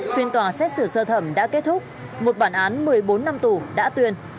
phiên tòa xét xử sơ thẩm đã kết thúc một bản án một mươi bốn năm tù đã tuyên